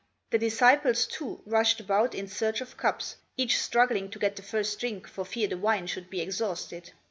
The disciples, too, rushed about in search of cups, each struggling to get the first drink for fear the wine should be exhausted.